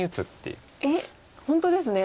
えっ本当ですね。